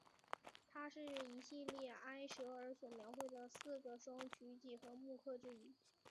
它是一系列埃舍尔所描绘的四个双曲几何木刻之一。